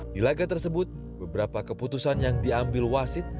di laga tersebut beberapa keputusan yang diambil wasit